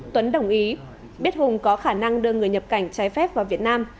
tuấn đồng ý biết hùng có khả năng đưa người nhập cảnh trái phép vào việt nam